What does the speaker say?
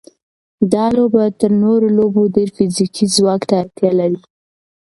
دا لوبه تر نورو لوبو ډېر فزیکي ځواک ته اړتیا لري.